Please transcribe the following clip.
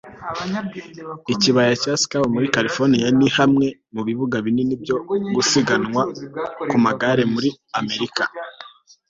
Ikibaya cya Squaw muri Californiya ni hamwe mu bibuga binini byo gusiganwa ku magare muri Amerika